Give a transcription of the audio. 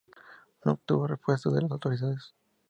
No obtuvo respuesta de las autoridades.